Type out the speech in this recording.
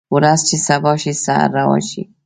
ورځ چې سبا شي سحر روا شي